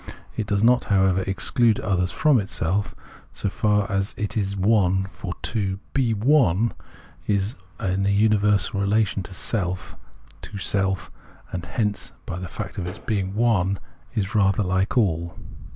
It does not, however, exclude others from itself, so far as it is " one "; for to be " one " is to be in a universal relation of self to self, and hence by the fact of its being " one " it is rather like all.